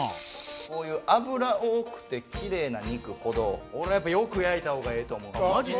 こういう脂多くてキレイな肉ほど俺はやっぱよく焼いた方がええと思うわ。